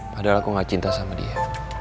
padahal aku gak cinta sama dia